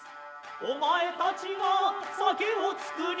お前たちは酒を造り